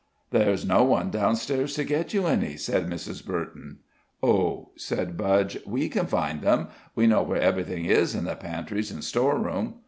"There's no one down stairs to get you any," said Mrs. Burton. "Oh," said Budge, "we can find them. We know where everything is in the pantries and store room."